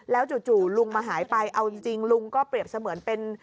แล้วจู่ลุงมาหายไปเอาจริงลุงก็เปรียบเสมือนเป็น